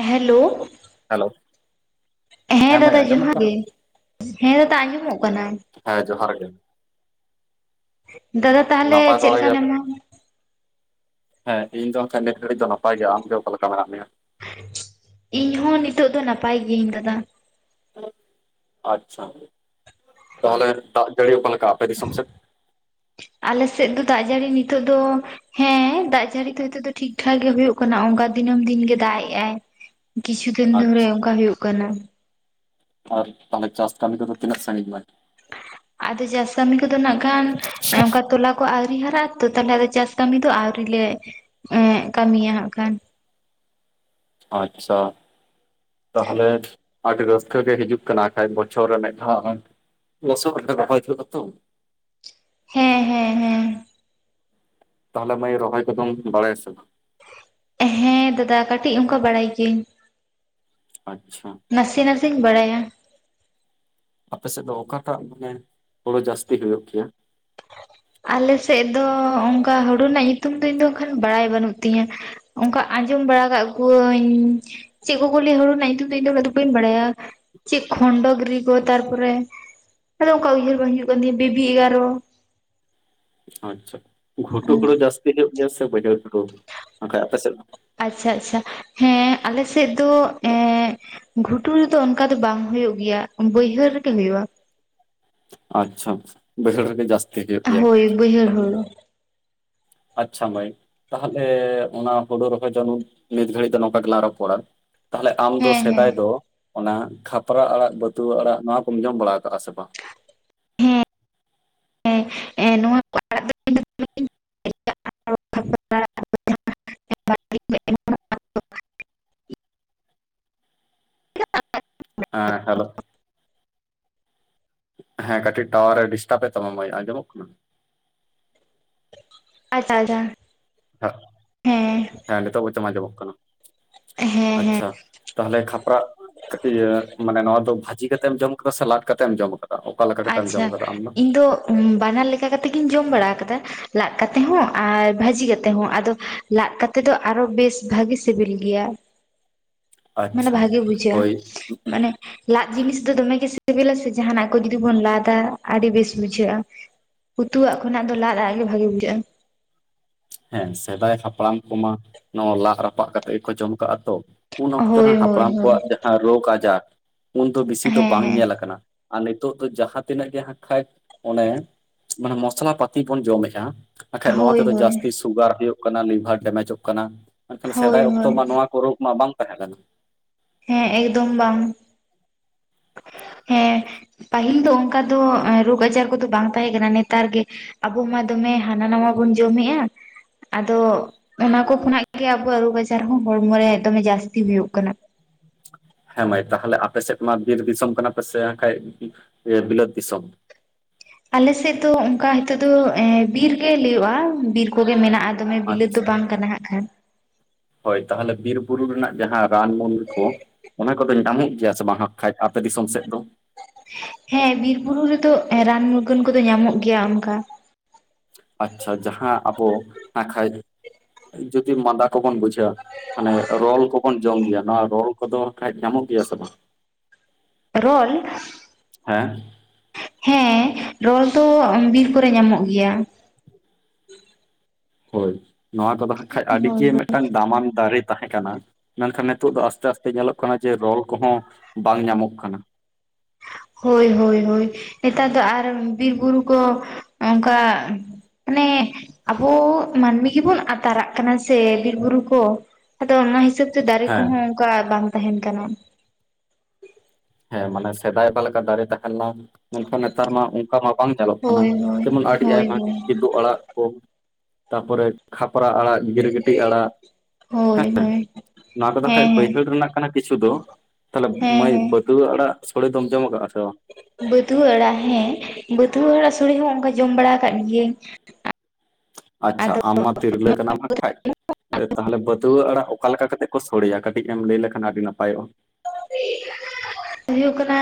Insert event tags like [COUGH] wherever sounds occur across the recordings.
Hello. Hello. ᱦᱮᱸ ᱫᱟᱫᱟ ᱡᱚᱦᱟᱨ ᱜᱮ, ᱦᱮᱸ ᱫᱟᱫᱟ ᱟᱸᱡᱚᱢᱚᱜ ᱠᱟᱱᱟ᱾ ᱦᱮᱸ ᱡᱚᱦᱟᱨ ᱜᱮ᱾ ᱫᱟᱫᱟ ᱛᱟᱦᱚᱞᱮ ᱱᱟᱯᱟᱭ ᱪᱮᱫ ᱵᱟᱲᱟ ᱞᱮᱠᱟ ᱜᱮᱭᱟᱯᱮ? ᱢᱮᱱᱟᱢᱟ? ᱦᱮᱸ ᱤᱧ ᱫᱚ ᱠᱷᱟᱡ ᱱᱤᱛ ᱜᱷᱟᱹᱲᱤᱡ ᱫᱚ ᱱᱟᱯᱟᱭ ᱜᱮ, ᱟᱢ ᱜᱮ ᱚᱠᱟ ᱞᱮᱠᱟ ᱢᱮᱱᱟᱜ ᱢᱮᱭᱟ? ᱤᱧ ᱦᱚᱸ ᱱᱤᱛᱳᱜ ᱫᱚ ᱱᱟᱯᱟᱭ ᱜᱤᱭᱟᱹᱧ ᱫᱟᱫᱟ᱾ ᱟᱪᱪᱷᱟ, ᱛᱟᱦᱚᱞᱮ ᱫᱟᱜ ᱡᱟᱹᱲᱤ ᱚᱠᱟ ᱞᱮᱠᱟ ᱟᱯᱮ ᱫᱤᱥᱚᱢ ᱥᱮᱫ? ᱟᱞᱮ ᱥᱮᱫ ᱫᱚ ᱫᱟᱜ ᱡᱟᱹᱲᱤ ᱱᱤᱛᱚᱜ ᱫᱚ ᱦᱮᱸ ᱫᱟᱜ ᱡᱟᱹᱲᱤ ᱫᱚ ᱦᱤᱛᱚᱜ ᱫᱚ ᱴᱷᱤᱠ ᱴᱷᱟᱠ ᱜᱮ ᱦᱩᱭᱩᱜ ᱠᱟᱱᱟ ᱚᱝᱠᱟ ᱫᱤᱱᱟᱹᱢ ᱫᱤᱱ ᱜᱮ ᱫᱟᱜ ᱮᱜᱼᱟᱭ᱾ ᱠᱤᱪᱷᱩ ᱫᱤᱱ ᱫᱷᱚᱨᱮ ᱟᱪᱪᱷᱟ ᱚᱝᱠᱟ ᱦᱳᱭᱤᱜ ᱠᱟᱱᱟ᱾ ᱟᱨ ᱛᱟᱦᱚᱞᱮ ᱪᱟᱥ ᱠᱟᱹᱢᱤ ᱠᱚᱫᱚ ᱛᱤᱱᱟᱹᱜ ᱥᱟᱺᱜᱤᱧ? [INAUDIBLE] ᱟᱫᱚ ᱪᱟᱥ ᱠᱟᱹᱢᱤ ᱠᱚ ᱫᱚ ᱱᱟᱜᱠᱷᱟᱱ ᱮᱸ ᱚᱝᱠᱟ ᱛᱚᱞᱟ ᱠᱚ ᱟᱣᱨᱤ ᱦᱟᱨᱟᱜᱼᱟ ᱛᱚ ᱛᱟᱦᱚᱞᱮ ᱟᱫᱚ ᱪᱟᱥ ᱠᱟᱹᱢᱤ ᱫᱚ ᱟᱣᱨᱤ ᱞᱮ, ᱤ ᱠᱟᱹᱢᱤᱭᱟ ᱦᱟᱜ ᱠᱷᱟᱱ᱾ ᱟᱪᱪᱷᱟ ᱛᱟᱦᱚᱞᱮ ᱟᱰᱤ ᱨᱟᱹᱥᱠᱟᱹ ᱜᱮ ᱦᱤᱡᱩᱜ ᱠᱟᱱᱟ ᱠᱷᱟᱱᱡ ᱵᱚᱪᱪᱷᱚᱨ ᱨᱮ ᱢᱤᱫ ᱫᱷᱟᱣ [UNINTELLIGIBLE] ᱞᱚᱥᱚᱫ ᱟᱛᱮ ᱨᱚᱦᱚᱭ ᱦᱩᱭᱩᱜᱼᱟ ᱛᱚ ᱦᱮ ᱦᱮ ᱦᱮ ᱛᱟᱦᱚᱞᱮ ᱢᱟᱹᱭ ᱨᱚᱦᱚᱭ ᱠᱚᱫᱚᱢ ᱵᱟᱲᱟᱭᱟ ᱥᱮ ᱵᱟᱝ? ᱦᱮ ᱫᱟᱫᱟ ᱠᱟᱹᱴᱤᱡ ᱚᱱᱠᱟ ᱵᱟᱲᱟᱭ ᱜᱤᱭᱟᱹᱧ ᱟᱪᱪᱷᱟ ᱱᱟᱥᱮ ᱱᱟᱥᱮᱧ ᱵᱟᱲᱟᱭᱟ ᱟᱯᱮ ᱥᱮᱫ ᱫᱚ ᱚᱠᱟᱴᱟᱜ ᱢᱟᱱᱮ ᱦᱳᱲᱳ ᱡᱟᱹᱥᱛᱤ ᱦᱳᱭᱳᱜ ᱜᱮᱭᱟ? ᱟᱞᱮᱥᱮᱫ ᱫᱚ ᱚᱱᱠᱟ ᱦᱳᱲᱳ ᱨᱮᱱᱟᱜ ᱧᱩᱛᱩᱢ ᱫᱚ ᱤᱧ ᱫᱚ ᱠᱷᱟᱱ ᱵᱟᱲᱟᱭ ᱵᱟᱹᱱᱩᱜ ᱛᱤᱧᱟ ᱚᱱᱠᱟ ᱟᱸᱡᱚᱢ ᱵᱟᱲᱟ ᱠᱟᱜ ᱠᱚᱣᱟᱹᱧ ᱪᱮᱫ ᱠᱚ ᱠᱚ ᱞᱮᱭᱼᱟ ᱦᱳᱲᱳ ᱨᱮᱱᱟᱜ ᱧᱩᱛᱩᱢ ᱫᱚ ᱤᱧ ᱫᱚ ᱩᱱᱟᱹᱜ ᱫᱚ ᱵᱟᱹᱧ ᱵᱟᱲᱟᱭᱟ ᱪᱮᱫ ᱠᱷᱚᱱᱰᱚ ᱜᱨᱤ ᱠᱚ ᱛᱟᱨᱼᱯᱚᱨᱮ ᱟᱫᱚ ᱚᱱᱠᱟ ᱩᱭᱦᱟᱹᱨ ᱵᱟᱝ ᱦᱤᱡᱩᱜ ᱠᱟᱱ ᱛᱤᱧᱟ ᱵᱮᱵᱤ ᱮᱜᱟᱨᱚ ᱟᱪᱪᱷᱟ ᱜᱷᱩᱴᱩ ᱚᱱᱠᱟ ᱦᱩᱲᱩ ᱡᱟᱹᱥᱛᱤ ᱦᱩᱭᱩᱜ ᱜᱮᱭᱟ ᱥᱮ ᱵᱟᱹᱭᱦᱟᱸᱲ ᱦᱳᱲᱳ ᱟᱯᱮ ᱥᱮᱫ? [INAUDIBLE] ᱟᱪᱪᱷᱟ ᱟᱪᱪᱷᱟ ᱦᱮ ᱟᱞᱮᱥᱮᱫ ᱫᱚ ᱮ ᱜᱷᱩᱴᱩ ᱨᱮᱫᱚ ᱚᱱᱠᱟ ᱫᱚ ᱵᱟᱝ ᱦᱩᱭᱩᱜ ᱜᱮᱭᱟ ᱵᱟᱹᱭᱦᱟᱹᱲ ᱨᱮᱜᱮ ᱦᱩᱭᱩᱜᱼᱟ ᱟᱪᱪᱷᱟ ᱟᱪᱪᱷᱟ ᱵᱟᱹᱭᱦᱟᱹᱲ ᱨᱮ ᱜᱮ ᱡᱟᱥ ᱦᱳᱭ ᱵᱟᱭᱦᱟᱹᱲ ᱦᱳᱲᱳ ᱟᱪᱪᱷᱟ ᱢᱟᱹᱭ ᱛᱟᱦᱚᱞᱮ ᱚᱱᱟ ᱦᱳᱲᱳ ᱨᱚᱦᱚᱭ [INAUDIBLE] ᱱᱤᱛ ᱜᱷᱟᱹᱲᱤᱡ ᱫᱚ ᱱᱚᱝᱠᱟ ᱜᱮᱞᱟᱝ ᱨᱚᱯᱚᱲᱼᱟ ᱛᱟᱦᱚᱞᱮ ᱟᱢ ᱫᱚ ᱦᱮᱸ ᱦᱮᱸ ᱥᱮᱫᱟᱭ ᱫᱚ ᱚᱱᱟ ᱠᱷᱟᱛᱨᱟ ᱟᱲᱟᱜ ᱵᱟᱹᱛᱩᱣᱟᱹ ᱟᱲᱟᱜ ᱱᱚᱣᱟ ᱠᱚᱢ ᱡᱚᱢ ᱵᱟᱲᱟ ᱠᱟᱜ-ᱟ ᱥᱮ ᱵᱟᱝ ᱦᱮ ᱮ ᱱᱚᱣᱟ ᱟᱲᱟᱜ ᱫᱚ ᱤᱧ ᱫᱚ ᱫᱚᱢᱮᱧ ᱮ ᱦᱮᱞᱳ ᱦᱮ ᱠᱟᱹᱴᱤᱡ ᱴᱟᱣᱟᱨ ᱮ ᱰᱤᱥᱴᱟᱵ ᱮ ᱛᱟᱢᱟ ᱢᱟᱹᱭ ᱟᱡᱚᱢᱚᱜ ᱠᱟᱱᱟ ᱟᱡᱷᱟ ᱡᱷᱟ ᱦᱮ ᱦᱮ ᱱᱤᱛᱚᱜ ᱵᱚᱪᱚᱢ ᱟᱡᱚᱢᱚᱜ ᱠᱟᱱᱟ ᱦᱮᱸ ᱦᱮᱸ ᱟᱪᱪᱷᱟ ᱛᱟᱦᱚᱞᱮ ᱠᱷᱟᱛᱨᱟᱜ ᱠᱟᱹᱴᱤᱭᱟᱹ ᱢᱟᱱᱮ ᱱᱚᱣᱟ ᱫᱚ ᱵᱷᱟᱹᱡᱤ ᱠᱟᱛᱮᱢ ᱡᱚᱢ ᱠᱟᱫᱟ ᱥᱮ ᱞᱟᱫᱽ ᱠᱟᱛᱮᱢ ᱡᱚᱢ ᱠᱟᱫ ᱚᱠᱟᱞᱠᱟ ᱠᱟᱛᱮᱞ ᱡᱚᱢ ᱠᱟᱫᱟ ᱟᱢᱫᱚ ᱦᱩ ᱵᱟᱱᱟᱨ ᱞᱮᱠᱟ ᱠᱟᱛᱮᱜᱤᱧ ᱡᱚᱢ ᱵᱟᱲᱟ ᱟᱠᱟᱫᱟ ᱞᱟᱫ ᱠᱟᱛᱮ ᱦᱚ ᱟᱨ ᱵᱷᱟᱹᱡᱤ ᱠᱟᱛᱮ ᱦᱚ ᱟᱫᱚ ᱞᱟᱫᱽ ᱠᱟᱛᱮ ᱫᱚ ᱟᱨᱦᱚ ᱵᱮᱥ ᱵᱷᱟᱹᱜᱤ ᱥᱤᱵᱤᱞ ᱜᱮᱭᱟ ᱢᱟᱱᱮ ᱟᱪᱪᱷᱟ ᱵᱷᱟᱜᱮ ᱦᱳᱭ ᱵᱩᱡᱷᱟᱜ-ᱟ ᱢᱟᱱᱮ ᱞᱟᱫᱽ ᱡᱤᱱᱤᱥ ᱫᱚ ᱫᱚᱢᱮᱜᱮ ᱥᱮᱵᱮᱞᱟ ᱥᱮ ᱡᱟᱦᱟᱱᱟᱜ ᱠᱚ ᱡᱩᱫᱤ ᱵᱚᱱ ᱞᱟᱫᱟ ᱟᱹᱰᱤ ᱵᱮᱥ ᱵᱩᱡᱷᱟᱹᱜᱼᱟ ᱩᱛᱩᱣᱟᱜ ᱠᱷᱚᱱᱟᱜ ᱫᱚ ᱞᱟᱫ-ᱟᱜ ᱜᱮ ᱵᱷᱟᱜᱮ ᱵᱩᱡᱷ ᱦᱮ ᱥᱮᱫᱟᱭ ᱦᱟᱯᱲᱟᱢ ᱠᱚᱢᱟ ᱱᱚᱣᱟ ᱞᱟᱫ ᱨᱟᱯᱟᱜ ᱠᱟᱛᱮᱜ ᱜᱮᱠᱚ ᱡᱚᱢ ᱠᱟᱜᱼᱟ ᱛᱚ ᱩᱱ ᱚᱠᱛᱚ ᱦᱳᱭ ᱨᱮᱱ ᱦᱳᱭ ᱦᱟᱯᱲᱟᱢ ᱦᱳᱭ ᱠᱚᱣᱟᱜ ᱡᱟᱦᱟ ᱨᱳᱜᱽ ᱟᱡᱟᱨ ᱩᱱᱫᱚ ᱵᱮᱥᱤ ᱦᱮᱸ ᱫᱚ ᱵᱟᱝ ᱦᱮᱸ ᱧᱮᱞ ᱠᱟᱱᱟ ᱟᱨ ᱱᱤᱛᱚᱜ ᱫᱚ ᱡᱟᱦᱟ ᱛᱤᱱᱟᱹᱜ ᱜᱮ ᱦᱟᱸᱜ ᱠᱷᱟᱭ ᱚᱱᱮ ᱢᱟᱱᱮ ᱢᱚᱥᱞᱟ ᱯᱟᱛᱤ ᱵᱚᱱ ᱡᱚᱢᱮᱜ-ᱟ ᱟᱠᱷᱟᱡ ᱱᱚᱣᱟ ᱦᱳᱭ ᱛᱮᱫᱚ ᱦᱳᱭ ᱡᱟᱹᱥᱛᱤ ᱥᱩᱜᱟᱨ ᱦᱳᱭᱳᱜ ᱠᱟᱱᱟ ᱞᱤᱵᱷᱟᱨ ᱰᱮᱢᱮᱡᱚᱜ ᱠᱟᱱᱟ ᱢᱮᱱᱠᱷᱟᱱ ᱦᱳᱭ ᱥᱮᱫᱟᱭ ᱚᱠᱛᱚ ᱦᱳᱭ ᱢᱟ ᱱᱚᱣᱟ ᱠᱚ ᱨᱳᱜ ᱢᱟ ᱵᱟᱝ ᱛᱟᱦᱮ ᱞᱮᱱᱟ ᱦᱮ ᱮᱠᱫᱚᱢ ᱵᱟᱝ ᱦᱮ ᱯᱟᱹᱦᱤᱞ ᱫᱚ ᱚᱱᱠᱟ ᱫᱚ ᱨᱳᱜᱽ ᱟᱡᱟᱨ ᱠᱚᱫᱚ ᱵᱟᱝ ᱛᱟᱦᱮ ᱠᱟᱱᱟ ᱱᱮᱛᱟᱨ ᱜᱮ ᱟᱵᱚ ᱢᱟ ᱫᱚᱢᱮ ᱦᱟᱱᱟ ᱱᱟᱣᱟ ᱵᱚᱱ ᱡᱚᱢᱮᱜᱼᱟ ᱟᱫᱚ ᱚᱱᱟ ᱠᱚ ᱠᱷᱚᱱᱟᱜ ᱜᱮ ᱟᱵᱚᱣᱟᱜ ᱨᱳᱜᱽ ᱟᱡᱟᱨ ᱦᱚ ᱦᱚᱲᱢᱚ ᱨᱮ ᱫᱚᱢᱮ ᱡᱟᱹᱥᱛᱤ ᱦᱳᱭᱳᱜ ᱠᱟᱱᱟ ᱦᱮ ᱢᱟᱹᱭ ᱛᱟᱦᱚᱞᱮ ᱟᱯᱮ ᱥᱮᱫ ᱢᱟ ᱵᱤᱨ ᱫᱤᱥᱚᱢ ᱠᱟᱱᱟ ᱯᱮ ᱥᱮ ᱦᱟᱠᱷᱟᱡ ᱵᱤᱞᱟᱹᱛ ᱫᱤᱥᱚᱢ ᱟᱞᱮᱥᱮᱫ ᱫᱚ ᱚᱱᱠᱟ ᱦᱤᱛᱚᱜ ᱫᱚ ᱮ ᱵᱤᱨ ᱜᱮ ᱞᱮᱭᱳᱜᱼᱟ ᱵᱤᱨ ᱠᱩᱜᱮ ᱢᱮᱱᱟᱜᱼᱟ ᱫᱚᱢᱮ ᱵᱤᱞᱟᱹᱛ ᱟᱪᱪᱷᱟ ᱫᱚ ᱵᱟᱝ ᱠᱟᱱᱟ ᱦᱟᱸᱜ ᱠᱷᱟᱱ ᱦᱳᱭ ᱛᱟᱦᱚᱞᱮ ᱵᱤᱨ ᱵᱩᱨᱩ ᱨᱮᱱᱟᱜ ᱡᱟᱦᱟ ᱨᱟᱱ ᱢᱩᱞ ᱠᱚ ᱚᱱᱟ ᱠᱚᱫᱚ ᱧᱟᱢᱚᱜ ᱜᱮᱭᱟ ᱥᱮ ᱵᱟᱝ ᱦᱟᱸᱜ ᱠᱷᱟᱡ ᱟᱯᱮ ᱫᱤᱥᱚᱢ ᱥᱮᱫ ᱫᱚ ᱦᱮ ᱵᱤᱨ ᱵᱩᱨᱩ ᱨᱮᱫᱚ ᱨᱟᱱ ᱢᱩᱨᱜᱟᱹᱱ ᱠᱚᱫᱚ ᱧᱟᱢᱚᱜ ᱜᱮᱭᱟ ᱚᱱᱠᱟ ᱟᱪᱪᱷᱟ ᱡᱟᱦᱟ ᱟᱵᱚ ᱱᱟᱠᱷᱟᱡ ᱡᱩᱫᱤ ᱢᱟᱫᱟ ᱠᱚᱵᱚᱱ ᱵᱩᱡᱷᱟᱹᱣᱟ ᱢᱟᱱᱮ ᱨᱚᱞ ᱠᱚᱵᱚᱱ ᱡᱚᱢ ᱜᱮᱭᱟ ᱱᱚᱣᱟ ᱨᱚᱞ ᱠᱚᱫᱚ ᱦᱟᱠᱠᱷᱟᱡ ᱧᱟᱢᱚᱜ ᱜᱮᱭᱟ ᱥᱮ ᱵᱟᱝ ᱨᱚᱞ ᱦᱮ ᱦᱮ ᱨᱚᱞ ᱫᱚ ᱵᱤᱨ ᱠᱚᱨᱮ ᱧᱟᱢᱚᱜ ᱜᱮᱭᱟ ᱦᱳᱭ ᱱᱚᱣᱟ ᱠᱚᱫᱚ ᱦᱟᱸᱜ ᱠᱷᱟᱡ ᱦᱳᱭ ᱟᱰᱤ ᱜᱮ ᱦᱳᱭ ᱢᱤᱫᱴᱟᱝ ᱫᱟᱢᱟᱱ ᱫᱟᱨᱮ ᱛᱟᱦᱮ ᱠᱟᱱᱟ ᱢᱮᱱᱠᱷᱟᱱ ᱱᱤᱛᱚᱜ ᱫᱚ ᱟᱥᱛᱮ ᱟᱥᱛᱮ ᱧᱮᱞᱚᱜ ᱠᱟᱱᱟ ᱡᱮ ᱨᱚᱞ ᱠᱚᱦᱚ ᱵᱟᱝ ᱧᱟᱢᱚᱜ ᱠᱟᱱᱟ ᱦᱳᱭ ᱦᱳᱭ ᱦᱳᱭ ᱱᱮᱛᱟᱨ ᱫᱚ ᱟᱨ ᱵᱤᱨ ᱵᱩᱨᱩ ᱠᱚ ᱚᱝᱠᱟ ᱚᱱᱮ ᱟᱵᱚ ᱢᱟᱹᱱᱢᱤ ᱜᱮᱵᱚᱱ ᱟᱛᱟᱨᱟᱜ ᱠᱟᱱᱟ ᱥᱮ ᱵᱤᱨ ᱵᱩᱨᱩ ᱠᱚ ᱟᱫᱚ ᱚᱱᱟ ᱦᱤᱥᱟᱹᱵᱛᱮ ᱫᱟᱨᱮ ᱦᱮᱸ ᱠᱚᱦᱚ ᱚᱝᱠᱟ ᱵᱟᱝ ᱛᱟᱦᱮᱱ ᱠᱟᱱᱟ ᱦᱮ ᱢᱟᱱᱮ ᱥᱮᱫᱟᱭ ᱵᱟ ᱞᱮᱠᱟ ᱫᱟᱨᱮ ᱛᱟᱦᱮᱱᱢᱟ ᱢᱮᱱᱠᱷᱟᱱ ᱱᱮᱛᱟᱨ ᱢᱟ ᱚᱱᱠᱟ ᱢᱟ ᱵᱟᱝ ᱧᱮᱞᱚᱜ ᱠᱟᱱᱟ ᱦᱳᱭ ᱦᱳᱭ ᱡᱮᱢᱚᱱ ᱟᱰᱤ ᱦᱳᱭ ᱟᱭᱢᱟ ᱜᱮ ᱦᱳᱭ ᱠᱮᱫᱩᱵ ᱟᱲᱟᱜ ᱠᱚ ᱛᱟᱨᱯᱚᱨᱮ ᱠᱷᱟᱯᱨᱟ ᱟᱲᱟᱜ ᱜᱤᱨ ᱜᱤᱴᱤᱡ ᱟᱲᱟᱜ ᱦᱳᱭ ᱦᱮ ᱦᱳᱭ ᱱᱚᱣᱟ ᱠᱚᱫᱚ ᱠᱷᱟᱡ ᱦᱮᱸ ᱦᱮᱸ ᱵᱟᱹᱭᱦᱟᱹᱲ ᱨᱮᱱᱟᱜ ᱠᱟᱱᱟ ᱠᱤᱪᱷᱩ ᱫᱚ ᱛᱷᱟᱞᱮ ᱦᱮᱸ ᱢᱟᱹᱭ ᱵᱟᱹ ᱦᱮᱸ ᱫᱩ ᱟᱲᱟᱜ ᱥᱳᱲᱮ ᱫᱚᱢ ᱡᱚᱢ ᱠᱟᱜᱼᱟ ᱥᱮ ᱵᱟᱝ ᱵᱟᱹᱛᱷᱩᱟᱹ ᱟᱲᱟᱜ ᱦᱮ ᱵᱟᱹᱛᱷᱩᱟᱹ ᱟᱲᱟᱜ ᱥᱳᱲᱮ ᱦᱚ ᱚᱱᱠᱟ ᱡᱚᱢ ᱵᱟᱲᱟ ᱟᱠᱟᱫ ᱜᱤᱭᱟᱹᱧ ᱟᱪᱪᱷᱟ ᱟᱫᱚ ᱟᱢ ᱢᱟ ᱛᱤᱨᱞᱟᱹ ᱠᱟᱱᱟᱢ ᱦᱟᱸᱜ ᱠᱷᱟᱡ ᱛᱟᱦᱚᱞᱮ ᱵᱟᱹᱛᱩᱣᱟᱹ ᱟᱲᱟᱜ ᱚᱠᱟ ᱞᱮᱠᱟ ᱠᱟᱛᱮᱜ ᱠᱚ ᱥᱳᱲᱮᱭᱟ ᱠᱟᱹᱴᱤᱡ ᱮᱢ ᱞᱟᱹᱭ ᱞᱮᱠᱷᱟᱱ ᱟᱹᱰᱤ ᱱᱟᱯᱟᱭᱚᱜᱼᱟ [INAUDIBLE] ᱦᱳᱭᱳᱜ ᱠᱟᱱᱟ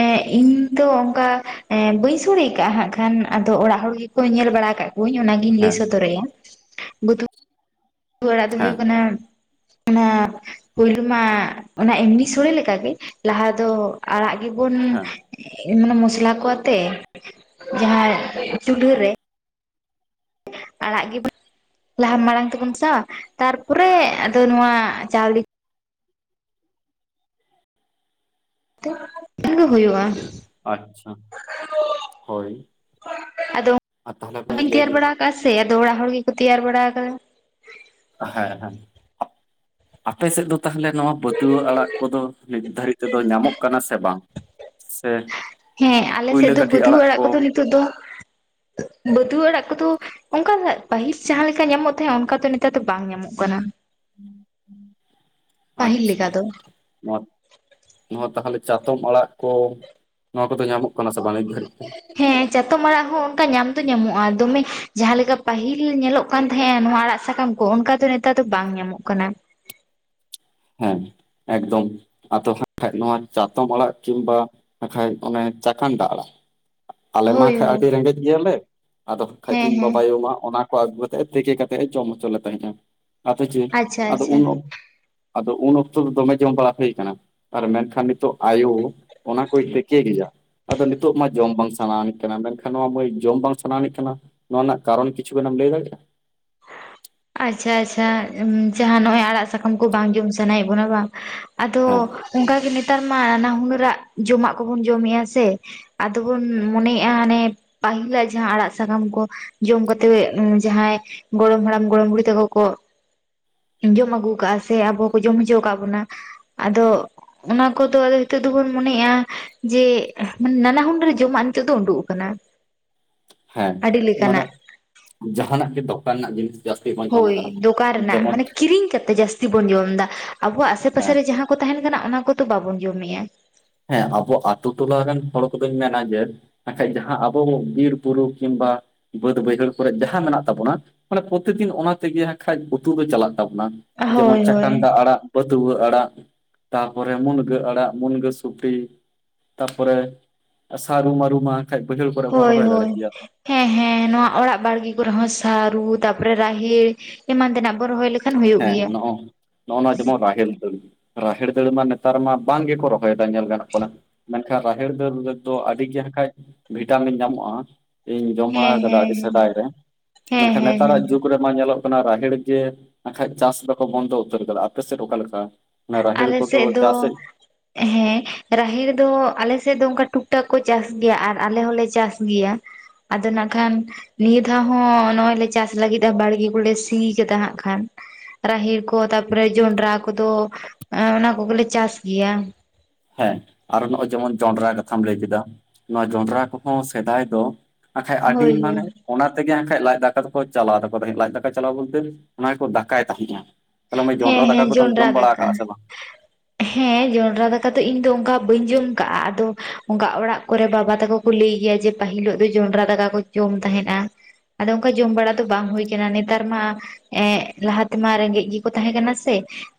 ᱮᱜ ᱤᱧ ᱛᱚ ᱚᱱᱠᱟ ᱮ ᱵᱟᱹᱧ ᱥᱳᱲᱮ ᱟᱠᱟᱜᱼᱟ ᱦᱟᱸᱜ ᱠᱷᱟᱱ ᱟᱫᱚ ᱚᱲᱟᱜ ᱦᱚᱲ ᱜᱮᱠᱚ ᱧᱮᱞ ᱵᱟᱲᱟ ᱠᱟᱜ ᱠᱚᱧ ᱚᱱᱟᱜᱤᱧ ᱞᱟᱹᱭ ᱦᱮᱸ ᱥᱚᱫᱚᱨᱟᱭᱟ [UNINTELLIGIBLE] ᱛᱩᱭᱟᱹ ᱟᱲᱟᱜ ᱫᱚ ᱦᱮᱸ ᱦᱩᱭᱩᱜ ᱠᱟᱱᱟ ᱚᱱᱟ ᱯᱩᱭᱞᱩ ᱢᱟ ᱚᱱᱟ ᱮᱢᱱᱤ ᱥᱳᱲᱮ ᱞᱮᱠᱟ ᱜᱮ ᱞᱟᱦᱟ ᱫᱚ ᱟᱲᱟᱜ ᱜᱮᱵᱚᱱ ᱦᱮᱸ ᱢᱟᱱᱮ ᱢᱚᱥᱞᱟ ᱠᱚ ᱟᱛᱮ ᱡᱟᱦᱟ ᱪᱩᱞᱦᱟᱹ ᱨᱮ ᱟᱲᱟᱜ ᱜᱮᱵᱚᱱ ᱞᱟᱦᱟ ᱢᱟᱲᱟᱝ ᱛᱮᱵᱚᱱ ᱢᱮᱥᱟᱣᱟ ᱛᱟᱨᱯᱚᱨᱮ ᱟᱫᱚ ᱱᱚᱣᱟ ᱪᱟᱣᱞᱮ [UNINTELLIGIBLE] ᱦᱳᱭᱳᱜᱼᱟ ᱟᱪᱪᱷᱟ ᱦᱳᱭ ᱟ ᱛᱟᱦᱞᱮ ᱢᱟᱹᱭ ᱞᱟᱹᱭ ᱵᱤᱱ ᱚᱠᱟ ᱥᱮ ᱟᱫᱚ ᱚᱲᱟᱜ ᱦᱚᱲ ᱜᱮᱠᱚ ᱛᱮᱭᱟᱨ ᱵᱟᱲᱟ ᱟᱠᱟᱫᱟ ᱦᱮ ᱦᱮ ᱟᱯᱮ ᱥᱮᱫ ᱫᱚ ᱛᱟᱦᱚᱞᱮ ᱱᱚᱣᱟ ᱵᱟᱹᱛᱣᱟᱹ ᱟᱲᱟᱜ ᱠᱚᱫᱚ ᱱᱤᱛ ᱫᱷᱟᱹᱨᱤᱡ ᱛᱮᱫᱚ ᱧᱟᱢᱚᱜ ᱠᱟᱱᱟ ᱥᱮ ᱵᱟᱝ ᱥᱮ ᱦᱮ ᱟᱞᱮ ᱥᱮᱫ ᱠᱩᱭᱞᱟᱹ ᱫᱚ ᱠᱟᱹᱴᱷᱤ ᱵᱟᱹᱛᱣᱟᱹ ᱟᱲᱟᱜ ᱠᱚ ᱠᱚᱫᱚ ᱱᱤᱛᱚᱜ ᱫᱚ ᱵᱟᱹᱛᱣᱟᱹ ᱟᱲᱟᱜ ᱠᱚᱫᱚ ᱚᱝᱠᱟ ᱫᱟ ᱯᱟᱹᱦᱤᱞ ᱡᱟᱦᱟ ᱞᱮᱠᱟ ᱧᱟᱢᱚᱜ ᱛᱟᱦᱮᱸᱫ ᱚᱝᱠᱟ ᱫᱚ ᱱᱮᱛᱟᱨ ᱫᱚ ᱵᱟᱝ ᱧᱟᱢᱚᱜ ᱠᱟᱱᱟ᱾ ᱯᱟᱹᱦᱤᱞ ᱟᱪᱪᱷᱟ ᱞᱮᱠᱟ ᱫᱚ [INAUDIBLE] ᱱᱚᱣᱟ ᱛᱟᱦᱟᱞᱮ ᱪᱟᱛᱚᱢ ᱟᱲᱟᱜ ᱠᱚ ᱱᱚᱣᱟ ᱠᱚᱫᱚ ᱧᱟᱢᱚᱜ ᱠᱟᱱᱟ ᱥᱮ ᱵᱟᱝ ᱱᱤᱛ ᱫᱷᱟᱹᱨᱤᱡ ᱛᱮ? ᱦᱮ ᱪᱟᱛᱚᱢ ᱟᱨᱲᱟᱜ ᱦᱚ ᱚᱱᱠᱟ ᱧᱟᱢ ᱫᱚ ᱧᱟᱢᱚᱜᱼᱟ ᱫᱚᱢᱮ ᱡᱟᱦᱟ ᱞᱮᱠᱟ ᱯᱟᱹᱦᱤᱞ ᱧᱮᱞᱚᱜ ᱠᱟᱱ ᱛᱟᱦᱮᱜ-ᱟ ᱱᱚᱣᱟ ᱟᱲᱟᱜ ᱥᱟᱠᱟᱢ ᱠᱚ ᱚᱱᱠᱟ ᱫᱚ ᱱᱮᱛᱟᱨ ᱫᱚ ᱵᱟᱝ ᱧᱟᱢᱚᱜ ᱠᱟᱱᱟ᱾ ᱦᱮ ᱮᱠᱫᱚᱢ᱾ ᱟᱫᱚ ᱦᱟᱹᱜ ᱠᱷᱟᱡ ᱱᱚᱣᱟ ᱪᱟᱛᱚᱢ ᱟᱲᱟᱜ ᱠᱤᱢᱵᱟ ᱱᱟᱠᱷᱟᱡ ᱚᱱᱮ ᱪᱟᱠᱟᱱᱰᱟ ᱟᱲᱟᱜ ᱟᱞᱮ ᱢᱟ ᱦᱳᱭ ᱦᱟᱠᱷᱟᱡ ᱦᱳᱭ ᱟᱹᱰᱤ ᱨᱮᱜᱮᱡ ᱜᱮᱭᱟᱞᱮ ᱟᱫᱚ ᱦᱟᱠᱷᱟᱱᱡ ᱦᱮᱸ ᱤᱧ ᱦᱮᱸ ᱵᱟᱵᱟᱭᱳ ᱢᱟ ᱚᱱᱟ ᱠᱚ ᱟᱹᱜᱩ ᱠᱟᱛᱮᱜ ᱛᱮᱠᱮ ᱠᱟᱛᱮ ᱮ ᱡᱚᱢ ᱦᱚᱪᱚ ᱞᱮᱫ ᱛᱟᱦᱮᱜ-ᱟ ᱟᱫᱚ ᱪᱮᱜ ᱟᱪᱪᱷᱟ ᱟᱫᱚ ᱟᱪᱪᱷᱟ ᱩᱱ ᱚᱠ ᱟᱫᱚ ᱩᱱ ᱚᱠᱛᱚ ᱫᱚ ᱫᱚᱢᱮ ᱡᱚᱢ ᱵᱟᱲᱟ ᱦᱩᱭ ᱠᱟᱱᱟ᱾ ᱟᱨ ᱢᱮᱱᱠᱷᱟᱱ ᱱᱤᱛᱚᱜ ᱟᱭᱳ ᱚᱱᱟ ᱠᱚᱭ ᱛᱮᱠᱮ ᱜᱮᱭᱟ᱾ ᱟᱫᱚ ᱱᱤᱛᱚᱜ ᱢᱟ ᱡᱚᱢ ᱵᱟᱝ ᱥᱟᱱᱟ ᱟᱱᱤᱡ ᱠᱟᱱᱟ ᱢᱮᱱᱠᱷᱟᱱ ᱱᱚᱣᱟ ᱢᱟᱹᱭ ᱡᱚᱢ ᱵᱟᱝ ᱥᱟᱱᱟᱶᱟᱱᱤᱡ ᱠᱟᱱᱟ᱾ ᱱᱚᱣᱟ ᱨᱮᱱᱟᱜ ᱠᱟᱨᱚᱱ ᱠᱤᱪᱷᱩ ᱜᱟᱱᱮᱢ ᱞᱟᱹᱭ ᱫᱟᱲᱮᱭᱟᱜ-ᱟ᱾ ᱟᱪᱪᱷᱟ ᱟᱪᱪᱷᱟ ᱡᱟᱦᱟ ᱱᱚᱜ-ᱚᱭ ᱟᱲᱟᱜ ᱥᱟᱠᱟᱢ ᱠᱚ ᱵᱟᱝ ᱡᱚᱢ ᱥᱟᱱᱟᱭᱮᱜ ᱵᱚᱱᱟ ᱵᱟᱝ᱾ ᱟᱫᱚ ᱦᱮᱸ ᱚᱝᱠᱟ ᱜᱮ ᱱᱮᱛᱟᱨ ᱢᱟ ᱱᱟᱱᱟ ᱦᱩᱱᱟᱹᱨᱟᱜ ᱡᱚᱢᱟᱜ ᱠᱚᱵᱚᱱ ᱡᱚᱢᱮᱜ-ᱟ ᱥᱮ ᱟᱫᱚ ᱵᱚᱱ ᱢᱚᱱᱮᱭᱮᱜ-ᱟ ᱦᱟᱱᱮ ᱯᱟᱹᱦᱤᱞᱟᱜ ᱡᱟᱦᱟ ᱟᱲᱟᱜ ᱥᱟᱠᱟᱢ ᱠᱚ ᱡᱚᱢ ᱠᱟᱛᱮᱜ ᱡᱟᱦᱟᱭ ᱜᱚᱲᱚᱢ ᱦᱟᱲᱟᱢ ᱜᱚᱲᱚᱢ ᱵᱩᱲᱦᱤ ᱛᱟᱠᱚ ᱠᱚ ᱡᱚᱢ ᱟᱹᱜᱩᱣ ᱠᱟᱜ-ᱟ ᱥᱮ ᱟᱵᱚ ᱠᱚ ᱡᱚᱢ ᱦᱚᱪᱚ ᱠᱟᱜ ᱵᱚᱱᱟ ᱟᱫᱚ ᱚᱱᱟ ᱠᱚᱫᱚ ᱟᱫᱚ ᱦᱤᱛᱚᱜ ᱫᱚ ᱵᱚᱱ ᱢᱚᱱᱮ ᱮᱜ-ᱟ᱾ ᱡᱮ ᱢᱟᱱᱮ ᱱᱟᱱᱟ ᱦᱩᱱᱟᱹᱨ ᱡᱚᱢᱟᱜ ᱱᱤᱛᱚᱜ ᱫᱚ ᱩᱰᱩᱜ ᱟᱠᱟᱱᱟ᱾ ᱦᱮ ᱟᱹᱰᱤ ᱢᱟᱱᱮ ᱞᱮᱠᱟᱱᱟᱜ ᱡᱟᱦᱟ ᱱᱟᱜ ᱜᱮ ᱫᱚᱠᱟᱱ ᱨᱮᱱᱟᱜ ᱡᱤᱱᱤᱥ ᱡᱟᱹᱥᱛᱤ ᱵᱟᱝ ᱡᱚᱢ ᱦᱳᱭ ᱞᱮᱫᱟ ᱫᱚᱠᱟᱱ ᱨᱮᱱᱟᱜ ᱡᱮᱢᱚᱱ ᱢᱟᱱᱮ ᱠᱤᱨᱤᱧ ᱠᱟᱛᱮᱜ ᱡᱟᱹᱟᱥᱛᱤ ᱵᱚᱱ ᱡᱚᱢ ᱫᱟ ᱟᱵᱚᱣᱟᱜ ᱦᱮᱸ ᱟᱥᱮ-ᱯᱟᱥᱮ ᱨᱮ ᱡᱟᱦᱟ ᱠᱚ ᱛᱟᱦᱮᱱ ᱠᱟᱱᱟ ᱚᱱᱟ ᱠᱚ ᱫᱚ ᱵᱟᱵᱚᱱ ᱡᱚᱢᱮᱜ-ᱟ᱾ ᱦᱮ ᱟᱵᱚ ᱟᱛᱳ ᱴᱚᱞᱟ ᱨᱮᱱ ᱦᱚᱲ ᱠᱚᱫᱚᱧ ᱢᱮᱱᱟ ᱡᱮ ᱱᱟᱠᱷᱟᱡ ᱡᱟᱦᱟ ᱟᱵᱚ ᱵᱤᱨ ᱵᱩᱨᱩ ᱠᱤᱢᱵᱟ ᱵᱟᱹᱫ ᱵᱟᱹᱭᱦᱟᱹᱲ ᱠᱚᱨᱮᱜ ᱡᱟᱦᱟ ᱢᱮᱱᱟᱜ ᱛᱟᱵᱚᱱᱟ ᱢᱟᱱᱮ ᱯᱚᱛᱤᱫᱤᱱ ᱚᱱᱟ ᱛᱮᱜᱮ ᱦᱟᱸᱜ ᱠᱷᱟᱡ ᱩᱛᱩ ᱫᱚ ᱪᱟᱞᱟᱜ ᱛᱟᱵᱚᱱᱟ᱾ ᱡᱮᱢᱚᱱ ᱦᱳᱭ ᱦᱳᱭ ᱪᱟᱠᱟᱱᱰᱟ ᱟᱲᱟᱜ ᱵᱟᱹᱫᱣᱟᱹ ᱟᱲᱟᱜ ᱛᱟᱨᱯᱚᱨᱮ ᱢᱩᱱᱜᱟᱹ ᱟᱲᱟᱜ ᱢᱩᱱᱜᱟᱹ ᱥᱩ ᱩᱴᱤ ᱛᱟᱯᱚᱨᱮ ᱥᱟᱨᱩ-ᱢᱟᱹᱨᱩ ᱢᱟ ᱠᱷᱟᱱᱡ ᱵᱟᱹᱭᱦᱟᱹᱲ ᱠᱚᱨᱮᱜ ᱵᱚᱱ ᱨᱚᱦᱚᱭ ᱫᱟᱲᱮᱜ ᱜᱮᱭᱟ ᱛᱚ᱾ ᱦᱮ ᱦᱮ ᱱᱚᱣᱟ ᱚᱲᱟᱜ ᱵᱟᱲᱜᱮ ᱠᱚᱨᱮ ᱦᱚ ᱥᱟᱨᱩ ᱛᱟᱯᱚᱨᱮ ᱨᱟᱦᱮᱲ ᱮᱢᱟᱱ ᱛᱮᱱᱟᱜ ᱵᱚᱱ ᱨᱚᱦᱚᱭ ᱞᱮᱠ ᱦᱮ ᱱᱚᱜ-ᱚ ᱱᱚᱜ-ᱚ ᱱᱚᱣᱟ ᱡᱮᱢᱚᱱ ᱨᱟᱦᱮᱲ ᱫᱟᱹᱞ ᱨᱟᱦᱮᱲ ᱫᱟᱹᱲ ᱢᱟ ᱱᱮᱛᱟᱨ ᱢᱟ ᱵᱟᱝ ᱜᱮ ᱠᱚ ᱨᱚ ᱦᱚᱭᱫᱟ ᱧᱮᱞ ᱜᱟᱱᱚᱜ ᱠᱟᱱᱟ ᱢᱮᱱᱠᱷᱟᱱ ᱨᱟᱦᱮᱲ ᱫᱟᱹᱞ ᱨᱮ ᱫᱚ ᱟᱹᱰᱤ ᱜᱮ ᱦᱟᱠᱷᱟᱡ ᱵᱷᱤᱴᱟᱢᱤᱱ ᱧᱟᱢᱚᱜ-ᱟ᱾ ᱤᱧ ᱡᱚᱢ ᱵᱟᱲᱟᱣ ᱦᱮᱸ ᱠᱟᱫᱟ ᱦᱮᱸ ᱟᱹᱰᱤ ᱦᱮᱸ ᱥᱮᱫᱟᱭ ᱨᱮ ᱦᱮᱸ ᱢᱮᱱᱠᱷᱟᱱ ᱦᱮᱸ ᱦᱮᱸ ᱱᱮᱛᱟᱨᱟᱜ ᱡᱩᱜᱽ ᱨᱮ ᱢᱟ ᱧᱮᱞᱚᱜ ᱠᱟᱱᱟ ᱨᱟᱦᱮᱲ ᱜᱮ ᱱᱟᱠᱷᱟᱡ ᱪᱟᱥ ᱫᱚ ᱠᱚ ᱵᱚᱱᱫᱚ ᱩᱛᱟᱹᱨ ᱠᱟᱫᱟ ᱟᱯᱮ ᱥᱮᱫ ᱚᱠᱟ ᱠᱮᱠᱟ? ᱚᱱᱟ ᱨᱟᱦᱮᱲ ᱠᱚ ᱫᱚ ᱪᱟᱥᱮᱜ ᱦᱮ ᱨᱟᱦᱮᱲ ᱫᱚ ᱟᱞᱮ ᱥᱮᱫ ᱫᱚ ᱚᱝᱠᱟ ᱴᱩᱠ-ᱴᱟᱠ ᱠᱚ ᱪᱟᱥ ᱜᱮᱭᱟ ᱟᱨ ᱟᱞᱮ ᱦᱚᱞᱮ ᱪᱟᱥ ᱜᱮᱭᱟ᱾ ᱟᱫᱚ ᱱᱟᱜ ᱠᱷᱟᱱ ᱱᱤᱭᱟᱹ ᱫᱷᱟᱣ ᱦᱚ ᱱᱚᱜᱼᱚᱭ ᱞᱮ ᱪᱟᱥ ᱞᱟᱹᱜᱤᱫ-ᱟ ᱵᱟᱲᱜᱮ ᱠᱚ ᱞᱮ ᱥᱤ ᱠᱟᱫᱟ ᱦᱟᱸᱜ ᱠᱷᱟᱱ᱾ ᱨᱟᱦᱮᱲ ᱠᱚ ᱛᱟᱯᱚᱨᱮ ᱡᱚᱱᱰᱨᱟ ᱠᱚ ᱫᱚ ᱚᱱᱟ ᱠᱚᱜᱮ ᱞᱮ ᱪᱟᱥ ᱜᱮᱭᱟ᱾ ᱦᱮ ᱟᱨᱚ ᱱᱚᱜ-ᱚᱭ ᱡᱮᱢᱚᱱ ᱡᱚᱱᱰᱨᱟ ᱠᱟᱛᱷᱟᱢ ᱞᱟᱹᱭ ᱠᱮᱫᱟ ᱱᱚᱣᱟ ᱡᱚᱱᱰᱨᱟ ᱠᱚᱦᱚ ᱥᱮᱫᱟᱭ ᱫᱚ ᱟᱪᱪᱷᱟᱡ ᱟᱰᱤ ᱦᱳᱭ ᱦᱳᱭ ᱢᱟᱱᱮ ᱚᱱᱟ ᱛᱮᱜᱮ ᱦᱟᱠᱷᱟᱡ ᱞᱟᱡ ᱫᱟᱠᱟ ᱫᱚᱠᱚ ᱪᱟᱞᱟᱣ ᱛᱟᱠᱚ ᱛᱟᱦᱮᱫ ᱞᱟᱡ ᱫᱟᱠᱟ ᱪᱟᱞᱟᱣ ᱵᱚᱞᱛᱮ ᱚᱱᱟ ᱠᱚ ᱫᱟᱠᱟᱭ ᱛᱟᱦᱮᱫᱼᱟ ᱛᱟᱦᱚᱞᱮ ᱢᱟᱹᱭ ᱦᱮᱸ ᱡᱚᱸᱰᱨᱟ ᱫᱟᱠᱟ ᱠᱚᱫᱚᱢ ᱡᱚᱢ ᱵᱟᱲᱟ ᱟᱠᱟᱜᱼᱟ ᱥᱮ ᱵᱟᱝ? ᱦᱮ ᱡᱚᱱᱰᱨᱟ ᱫᱟᱠᱟ ᱫᱚ ᱤᱧ ᱫᱚ ᱚᱱᱠᱟ ᱵᱟᱹᱧ ᱡᱚᱢ ᱟᱠᱟᱜᱼᱟ ᱟᱫᱚ ᱚᱱᱠᱟ ᱚᱲᱟᱜ ᱠᱚᱨᱮ ᱵᱟᱵᱟ ᱛᱟᱠᱚ ᱠᱚ ᱞᱟᱹᱭ ᱜᱮᱭᱟ ᱡᱮ ᱯᱟᱹᱦᱤᱞᱳᱜ ᱫᱚ ᱡᱚᱱᱰᱨᱟ ᱫᱟᱠᱟ ᱠᱚ ᱡᱚᱢ ᱛᱟᱦᱮᱜ-ᱟ ᱟᱫᱚ ᱚᱱᱠᱟ ᱡᱚᱢ ᱵᱟᱲᱟ ᱫᱚ ᱵᱟᱝ ᱦᱩᱭ ᱟᱠᱟᱱᱟ ᱱᱮᱛᱟᱨ ᱢᱟ ᱮ ᱞᱟᱦᱟ ᱛᱮᱢᱟ ᱨᱮᱜᱮᱡ ᱜᱮ ᱛᱟᱦᱮ ᱠᱟᱱᱟ ᱥᱮ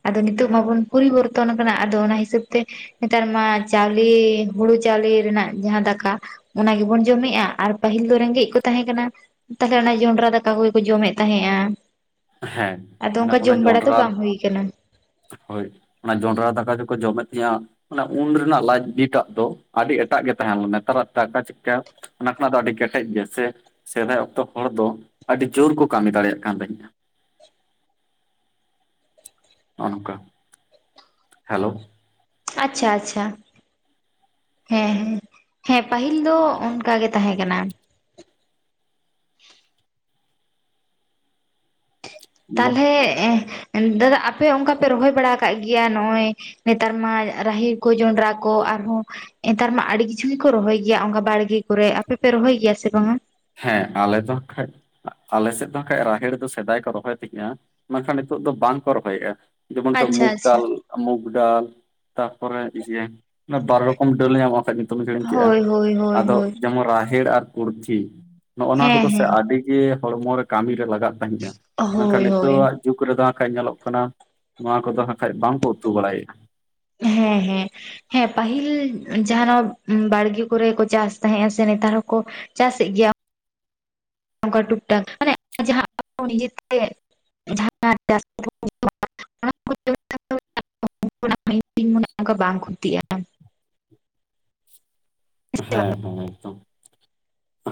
ᱟᱫᱚ ᱱᱤᱛᱚᱜ ᱢᱟᱵᱚᱱ ᱯᱚᱨᱤᱵᱚᱨᱛᱚᱱ ᱟᱠᱟᱱᱟ ᱟᱫᱚ ᱚᱱᱟ ᱦᱤᱥᱟᱹᱵ ᱛᱮ ᱱᱮᱛᱟᱨ ᱢᱟ ᱪᱟᱣᱞᱮ ᱦᱳᱲᱳ ᱪᱟᱣᱞᱮ ᱨᱮᱱᱟᱜ ᱡᱟᱦᱟ ᱫᱟᱠᱟ ᱚᱱᱟ ᱜᱮᱵᱚᱱ ᱡᱚᱢᱮᱫᱼᱟ ᱟᱨ ᱯᱟᱹᱦᱤᱞ ᱫᱚ ᱨᱮᱜᱮᱡ ᱠᱚ ᱛᱟᱦᱮ ᱠᱟᱱᱟ ᱛᱟᱦᱚᱞᱮ ᱚᱱᱟ ᱡᱚᱱᱰᱨᱟ ᱫᱟᱠᱟ ᱠᱚᱜᱮ ᱠᱚ ᱡᱚᱢᱮᱫ ᱛᱟᱦᱮᱜᱼᱟ ᱦᱮ ᱢᱟᱱᱮ ᱚᱱᱟ ᱡᱚᱱᱰ ᱫᱚ ᱵᱟᱝ ᱦᱩᱭ ᱟᱠᱟᱱᱟ ᱦᱳᱭ ᱚᱱᱟ ᱡᱚᱸᱰᱨᱟ ᱫᱟᱠᱟ ᱡᱚᱠᱚ ᱡᱚᱢᱮᱫ ᱛᱟᱦᱮᱜᱼᱟ ᱢᱟᱱᱮ ᱩᱱ ᱨᱮᱱᱟᱜ ᱞᱟᱡ ᱵᱤᱴᱟᱜ ᱫᱚ ᱟᱹᱰᱤ ᱮᱴᱟᱜ ᱜᱮ ᱛᱟᱦᱮ ᱞᱮᱱᱟ ᱱᱮᱛᱟᱨᱟᱜ ᱫᱟᱠᱟ ᱪᱤᱠᱠᱟ ᱚᱱᱟ ᱠᱷᱚᱱᱟᱜ ᱫᱚ ᱟᱹᱰᱤ ᱠᱮᱴᱮᱡ ᱜᱮᱭᱟ ᱥᱮ ᱥᱮᱫᱟᱭ ᱚᱠᱛᱚ ᱦᱚᱲ ᱫᱚ ᱟᱹᱰᱤ ᱡᱳᱨ ᱠᱚ ᱠᱟᱹᱢᱤ ᱫᱟᱲᱮᱭᱟᱜ ᱠᱟᱱ ᱛᱟᱦᱮᱸᱫᱼᱟ ᱱᱚᱜ-ᱚ ᱱᱚᱝᱠᱟ ᱦᱮᱞᱳ ᱟᱪᱪᱷᱟ ᱟᱪᱪᱷᱟ ᱦᱮ ᱦᱮ ᱦᱮ ᱯᱟᱹᱦᱤᱞ ᱫᱚ ᱚᱱᱠᱟ ᱜᱮ ᱛᱟᱦᱮ ᱠᱟᱱᱟ ᱛᱟᱦᱞᱮ ᱫᱟᱫᱟ ᱟᱯᱮ ᱚᱱᱠᱟ ᱯᱮ ᱨᱚᱦᱚᱭ ᱵᱟᱲᱟ ᱟᱠᱟᱫ ᱜᱮᱭᱟ ᱱᱚᱜᱼ ᱚᱭ ᱱᱮᱛᱟᱨ ᱢᱟ ᱨᱟᱦᱮᱲ ᱠᱚ ᱡᱚᱱᱰᱨᱟ ᱠᱚ ᱟᱨᱦᱚ ᱱᱮᱛᱟᱨ ᱢᱟ ᱟᱹᱰᱤ ᱠᱤᱪᱷᱩ ᱜᱮᱠᱚ ᱨᱚᱦᱚᱭ ᱜᱮᱭᱟ ᱚᱱᱠᱟ ᱵᱟᱲᱜᱮ ᱠᱚᱨᱮ ᱟᱯᱮᱯᱮ ᱨᱚᱦᱚᱭ ᱜᱮᱭᱟ ᱥᱮ ᱵᱟᱝᱟ? ᱦᱮ ᱟᱞᱮ ᱫᱚ ᱦᱟᱠᱠᱷᱟᱡ ᱟᱞᱮ ᱥᱮᱫ ᱫᱚ ᱦᱟᱠᱷᱟᱡ ᱨᱟᱦᱮᱲ ᱫᱚ ᱥᱮᱫᱟᱭ ᱠᱚ ᱨᱚᱦᱚᱭ ᱛᱤᱧᱟᱹ ᱢᱮᱱᱠᱷᱟᱱ ᱱᱤᱛᱚᱜ ᱫᱚ ᱵᱟᱝ ᱠᱚ ᱨᱚᱦᱚᱭᱮᱫᱼᱟ ᱡᱮᱢᱚᱱ ᱛ ᱟᱪᱪᱷᱟ ᱢᱩᱜ ᱟᱪᱪᱷᱟ ᱰᱟᱞ ᱢᱩᱠ ᱰᱟᱞ ᱛᱟᱯᱚᱨᱮ ᱤᱭᱟᱹ ᱚᱱᱟ ᱵᱟᱨ ᱨᱚᱠᱚᱢ ᱰᱟᱹᱞ ᱧᱟᱢᱚᱜ-ᱟ ᱠᱷᱟᱱᱡ ᱦᱲᱤᱧ ᱠᱮᱫᱼᱟ ᱦᱳᱭ ᱦᱳᱭ ᱦᱳᱭ ᱟᱫᱚ ᱦᱳᱭ ᱡᱮᱢᱚᱱ ᱨᱟᱦᱮᱲ ᱟᱨ ᱠᱩᱨᱛᱷᱤ ᱱᱚᱜᱼᱚ ᱱᱚᱣᱟ ᱦᱮᱸ ᱠᱚᱫᱚ ᱥᱮ ᱦᱮᱸ ᱟᱹᱰᱤ ᱡᱮ ᱦᱚᱲᱢᱚ ᱨᱮ ᱠᱟᱹᱢᱤ ᱨᱮ ᱞᱟᱜᱟᱜ ᱛᱟᱦᱮᱼᱟ ᱢᱮᱱᱠᱷᱟᱱ ᱦᱳᱭ ᱦᱳᱭ ᱱᱤᱛᱚᱜ ᱟ ᱡᱩᱜᱽ ᱨᱮᱫᱚ ᱦᱟᱜᱠᱷᱟᱡ ᱧᱮᱞᱚᱜ ᱠᱟᱱᱟ ᱱᱚᱣᱟ ᱠᱚᱫᱚ ᱦᱟᱜᱠᱷᱟᱡ ᱵᱟᱝᱠᱚ ᱩᱛᱩ ᱵᱟᱲᱟᱭᱟ ᱦᱮ ᱦᱮ ᱦᱮ ᱯᱟᱹᱦᱤᱞ ᱡᱟᱦᱟᱱᱟᱜ ᱵᱟᱲᱜᱮ ᱠᱚᱨᱮ ᱠᱚ ᱪᱟᱥ ᱛᱟᱦᱮᱜᱼᱟ ᱥᱮ ᱱᱮᱛᱟᱨ ᱦᱚᱠᱚ ᱪᱟᱥᱮᱫ ᱜᱮᱭᱟ ᱚᱱᱠᱟ ᱴᱩᱠ ᱴᱟᱠ ᱢᱟᱱᱮ ᱡᱟᱦᱟ ᱱᱤᱡᱮᱛᱮ [UNINTELLIGIBLE] [INAUDIBLE] [UNINTELLIGIBLE] ᱦᱮᱸ ᱦᱮ ᱥᱮ ᱦᱮ ᱮᱠᱫᱚᱢ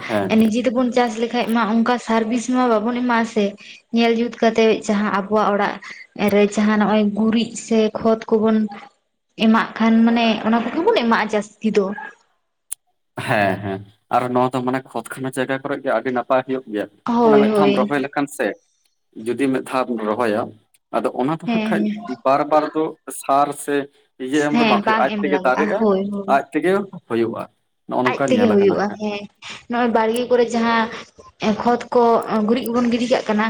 ᱦᱮᱸ ᱮ ᱱᱤᱡᱮᱛᱮ ᱯᱩᱱ ᱪᱟᱥ ᱞᱮ ᱠᱷᱟᱡ ᱢᱟ ᱚᱱᱠᱟ ᱥᱟᱨᱵᱷᱤᱥ ᱢᱟ ᱵᱟᱵᱚᱱ ᱮᱢᱟᱜ-ᱟ ᱥᱮ ᱧᱮᱞ ᱡᱩᱛ ᱠᱟᱛᱮᱜ ᱡᱟᱦᱟ ᱟᱵᱚᱣᱟᱜ ᱚᱲᱟᱜ ᱨᱮ ᱡᱟᱦᱟ ᱱᱚᱜᱚᱭ ᱜᱩᱨᱤᱡ ᱥᱮ ᱠᱷᱚᱛ ᱠᱚᱵᱚᱱ ᱮᱢᱟᱜ ᱠᱷᱟᱱ ᱢᱟᱱᱮ ᱚᱱᱟ ᱠᱚᱜᱮ ᱵᱚᱱ ᱮᱢᱟᱜᱼᱟ ᱡᱟᱹᱥᱛᱤ ᱫᱚ ᱦᱮ ᱦᱮ ᱟᱨ ᱱᱚᱣᱟ ᱫᱚ ᱢᱟᱱᱮ ᱠᱷᱚᱛ ᱠᱷᱟᱱᱟ ᱡᱟᱭᱜᱟ ᱠᱚᱨᱮ ᱜᱮ ᱟᱹᱰᱤ ᱱᱟᱯᱟᱭ ᱦᱳᱭᱳᱜ ᱜᱮᱭᱟ ᱢᱟᱱᱮ ᱦᱳᱭ ᱢᱤᱫ ᱫᱷᱟᱣᱢ ᱦᱳᱭ ᱨᱚᱦᱚᱭ ᱞᱮᱠᱷᱟᱱ ᱥᱮ ᱡᱩᱫᱤ ᱢᱤᱫ ᱫᱷᱟᱣᱢ ᱨᱚᱦᱚᱭᱟ ᱟᱫᱚ ᱚᱱᱟ ᱫᱚ ᱦᱮᱸ ᱦᱟᱸᱜ ᱠᱷᱟᱡ ᱦᱮᱸ ᱵᱟᱨ ᱵᱟᱨ ᱫᱚ ᱥᱟᱨ ᱥᱮ ᱯᱤᱡᱮ ᱮᱢ ᱫᱚ ᱦᱮᱸ ᱵᱟᱝ ᱦᱳᱭᱳᱜᱼᱟ ᱮᱢ ᱟᱡᱛᱮᱜᱮ ᱞᱟᱜᱟᱜᱼᱟ ᱫᱟᱨᱮᱜᱼᱟ ᱦᱳᱭ ᱦᱳᱭ ᱟᱡ ᱛᱮᱜᱮ ᱦᱳᱭᱳᱜᱼᱟ ᱟᱡ ᱛᱮᱜᱮ ᱦᱳᱭᱳᱜᱼᱟ ᱦᱮ ᱱᱚᱜᱼᱚᱭ ᱵᱟᱲᱜᱮ ᱠᱚᱨᱮ ᱡᱟᱦᱟ ᱠᱷᱚᱛ ᱠᱚ ᱜᱩᱨᱤᱡ ᱠᱚᱵᱚᱱ ᱜᱤᱰᱤ ᱠᱟᱜ ᱠᱟᱱᱟ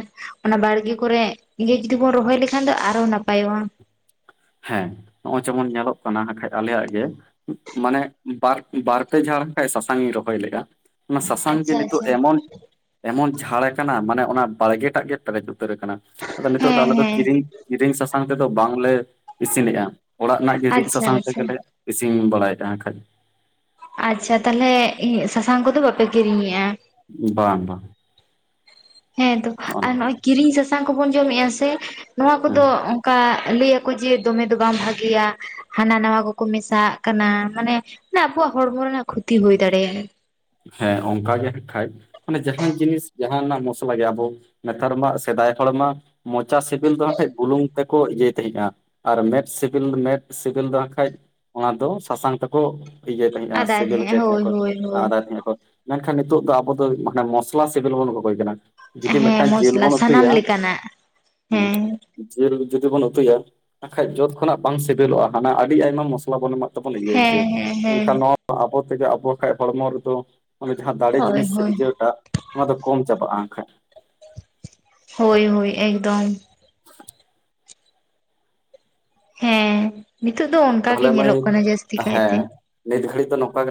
ᱚᱱᱟ ᱵᱟᱲᱜᱮ ᱠᱚᱨᱮ ᱜᱮ ᱡᱩᱫᱤ ᱵᱚᱱ ᱨᱚᱦᱚᱭ ᱞᱮᱠᱷᱟᱱ ᱫᱚ ᱟᱨᱦᱚ ᱱᱟᱯᱟᱭᱚᱜᱼᱟ ᱦᱮ ᱱᱚᱜᱼᱚᱭ ᱡᱮᱢᱚᱱ ᱧᱮᱞᱚᱜ ᱠᱟᱱᱟᱠᱷᱟᱡ ᱟᱞᱮᱭᱟᱜ ᱜᱮ ᱢᱟᱱᱮ ᱵᱟᱨ ᱵᱟᱨ ᱯᱮ ᱡᱷᱟᱲ ᱦᱟᱠᱷᱟᱡ ᱥᱟᱥᱟᱝ ᱤᱧ ᱨᱚᱦᱚᱭ ᱞᱮᱜ-ᱟ ᱚᱱᱟ ᱥᱟᱥᱟᱝ ᱡᱮ ᱟᱪᱪᱷᱟ ᱱᱤᱛᱚᱜ ᱟᱪᱪᱷᱟ ᱮᱢᱚᱱ ᱮᱢᱚᱱ ᱡᱷᱟᱲ ᱟᱠᱟᱱᱟ ᱢᱟᱱᱮ ᱚᱱᱟ ᱵᱟᱲᱜᱮ ᱴᱟᱜ ᱜᱮ ᱯᱮᱨᱮᱡ ᱩᱛᱟᱹᱨ ᱟᱠᱟᱱᱟ ᱟᱫᱚ ᱱᱤᱛᱚᱜ ᱫᱚ ᱦᱮᱸ ᱟᱞᱮ ᱫᱚ ᱦᱮᱸ ᱠᱤᱨᱤᱧ ᱠᱤᱨᱤᱧ ᱥᱟᱥᱟᱝ ᱛᱮᱫᱚ ᱵᱟᱝᱞᱮ ᱤᱥᱤᱱᱮᱜᱼᱟ ᱚᱲᱟᱜ ᱨᱮᱱᱟᱜ ᱨᱤᱫ ᱟᱪᱪᱷᱟ ᱥᱟᱥᱟᱝ ᱟᱪᱪᱷᱟ ᱛᱮᱜᱮᱞᱮᱼᱼ ᱤᱥᱤ ᱵᱟᱲᱟᱭᱮᱫᱟ ᱦᱟᱠᱷᱟᱡᱼᱼ ᱟᱪᱪᱷᱟ ᱛᱟᱦᱞᱮ ᱤᱧ ᱥᱟᱥᱟᱝ ᱠᱚᱫᱚ ᱵᱟᱯᱮ ᱠᱤᱨᱤᱧᱮᱜᱼᱟ ᱵᱟᱝ ᱵᱟᱝ ᱦᱮ ᱛᱚ ᱱᱚᱜᱼᱚ ᱟᱨ ᱱᱚᱝᱠᱟ ᱱᱚᱜ ᱚᱭ ᱠᱤᱨᱤᱧ ᱥᱟᱥᱟᱝ ᱠᱚᱵᱚᱱ ᱡᱚᱢᱮᱫᱼᱟ ᱥᱮ ᱱᱚᱣᱟ ᱦᱮᱸ ᱠᱚᱫᱚ ᱚᱱᱠᱟ ᱞᱟᱹᱭᱟᱠᱚ ᱡᱮ ᱫᱚᱢᱮ ᱫᱚ ᱵᱟᱝ ᱵᱷᱟᱜᱮᱤᱭᱟ ᱦᱟᱱᱟ ᱱᱟᱣᱟ ᱠᱚᱠᱚ ᱢᱮᱥᱟᱜ ᱠᱟᱱᱟ ᱢᱟᱱᱮ ᱟᱵᱚᱣᱟᱜ ᱦᱚᱲᱢᱚ ᱨᱮᱱᱟᱜ ᱠᱷᱚᱛᱤ ᱦᱩᱭ ᱫᱟᱲᱮᱭᱟᱜᱼᱟ ᱦᱮ ᱚᱱᱠᱟ ᱜᱮ ᱦᱟᱠᱷᱟᱱᱡ ᱢᱟᱱᱮ ᱡᱟᱦᱟᱱ ᱡᱤᱱᱤᱥ ᱡᱟᱦᱟᱱᱟᱜ ᱢᱚᱥᱞᱟ ᱜᱮ ᱟᱵᱚ ᱱᱮᱛᱟᱨ ᱢᱟ ᱥᱮᱫᱟᱭ ᱦᱚᱲ ᱢᱟ ᱢᱚᱪᱟ ᱥᱮᱵᱮᱞ ᱫᱚ ᱦᱟᱠᱟᱱᱡ ᱵᱩᱞᱩᱝ ᱛᱮᱠᱚ ᱤᱭᱟᱹᱭ ᱛᱟᱦᱮᱫᱼᱟᱼᱼ ᱟᱨ ᱢᱮᱫ ᱥᱤᱵᱤᱞ ᱢᱮᱫ ᱥᱤᱵᱤᱞ ᱫᱚ ᱦᱟᱠᱷᱟᱱᱡ ᱚᱱᱟ ᱫᱚ ᱥᱟᱥᱟᱝ ᱛᱮᱠᱚ ᱤᱭᱟᱹᱭ ᱛᱟᱦᱮᱸᱜᱼᱟ ᱟᱫᱟᱭ ᱥᱮᱵᱮᱞ ᱦᱚᱪᱭ ᱛᱟᱦᱮᱸᱜ ᱛᱟᱦᱮᱸᱫ ᱦᱳᱭ ᱠᱚ᱾ ᱦᱳᱭ ᱦᱳᱭ ᱛᱟᱦᱮᱸ ᱟᱠᱚ᱾ ᱢᱮᱱᱠᱷᱟᱱ ᱱᱤᱛᱚᱜ ᱫᱚ ᱟᱵᱚ ᱫᱚ ᱢᱚᱥᱞᱟ ᱥᱤᱵᱤᱞ ᱵᱚᱱ ᱠᱚ ᱠᱚᱭ ᱠᱟᱱᱟ᱾ ᱡᱩᱫᱤ ᱦᱮᱸ ᱢᱤᱫᱴᱟᱝ ᱡᱮᱞ ᱢᱚᱥᱞᱟ ᱵᱚᱞ ᱥᱟᱱᱟᱢ ᱩᱛᱩᱭᱟ ᱞᱮᱠᱟᱱᱟᱜ ᱦᱩᱸ᱾ ᱦᱮᱸ ᱡᱤᱞ ᱡᱩᱫᱤ ᱵᱚᱱ ᱩᱛᱩᱭᱟ ᱦᱟᱸᱠᱷᱟᱡ ᱡᱚᱛ ᱠᱷᱚᱱᱟᱜ ᱵᱟᱝ ᱥᱤᱵᱤᱞᱚᱜᱼᱟ ᱦᱟᱱᱟ ᱟᱹᱰᱤ ᱟᱭᱢᱟ ᱢᱚᱥᱞᱟ ᱵᱚᱱ ᱮᱢᱟᱜ ᱛᱚ ᱵᱚᱱ ᱤᱭᱟᱹ ᱦᱮᱸ ᱦᱚᱪᱮᱭᱟ᱾ ᱦᱮᱸ ᱦᱮᱸ ᱢᱮᱱᱠᱷᱟᱱ ᱱᱚᱣᱟ ᱟᱵᱚ ᱛᱮᱜᱮ ᱟᱵᱚ ᱦᱟᱠᱷᱟᱱ ᱦᱚᱲᱢᱚ ᱨᱮᱫᱚ ᱚᱱᱮ ᱡᱟᱦᱟᱸ ᱫᱟᱲᱮ ᱦᱳᱭ ᱡᱤᱱᱤᱥ ᱦᱳᱭ ᱥᱤᱨᱡᱟᱹᱣᱴᱟᱜ ᱚᱱᱟ ᱫᱚ ᱠᱚᱢ ᱪᱟᱵᱟᱜᱼᱟ ᱦᱟᱸᱠᱷᱟᱡ᱾ ᱦᱳᱭ ᱦᱳᱭ ᱮᱠᱫᱚᱢ᱾ ᱦᱮᱸ᱾ ᱱᱤᱛᱚᱜ ᱫᱚ ᱚᱱᱠᱟ ᱜᱮ ᱛᱟᱦᱚᱞᱮ ᱢᱟᱹᱭ ᱧᱮᱞᱚᱜ ᱠᱟᱱᱟ ᱡᱟᱹᱥᱛᱤ ᱠᱟᱭᱛᱮ᱾ ᱦᱮᱸ ᱱᱤᱛ ᱜᱟᱹᱲᱤᱡ ᱫᱚ ᱱᱚᱝᱠᱟ ᱜᱮ